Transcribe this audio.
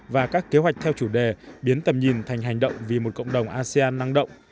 và các kế hoạch theo chủ đề biến tầm nhìn thành hành động vì một cộng đồng asean năng động